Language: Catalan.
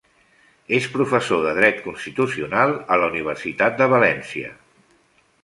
És professor de dret constitucional a la Universitat de València.